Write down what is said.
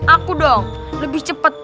aku dong lebih cepet